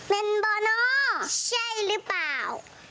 เป็นบ่อนอใช่หรือเปล่า